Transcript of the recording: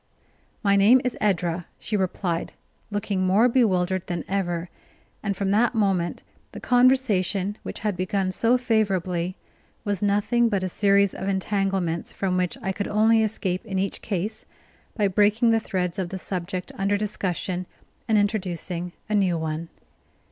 "My name is Edra," she replied, looking more bewildered than ever; and from that moment the conversation, which had begun so favorably, was nothing but a series of entanglements, from which I could only escape in each case by breaking the threads of the subject under discussion, and introducing a new one.